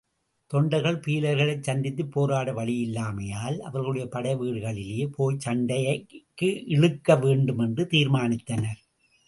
தொண்டர்கள் பீலர்களைச் சந்தித்துப் போராட வழியில்லாமையால் அவர்களுடைய படைவீடுகளிலேயே போய்ச்சண்டைக்கு இழுக்க வேண்டும் என்று தீர்மானித்தனர்.